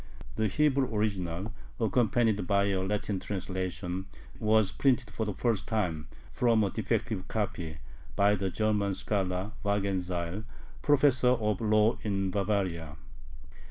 The Hebrew original, accompanied by a Latin translation, was printed for the first time from a defective copy by the German scholar Wagenseil, Professor of Law in Bavaria.